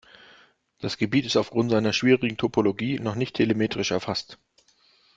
Das Gebiet ist aufgrund seiner schwierigen Topologie noch nicht telemetrisch erfasst.